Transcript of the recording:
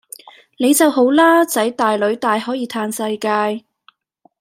你就好啦！囝大囡大可以嘆世界